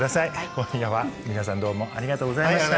今夜は皆さんどうもありがとうございました。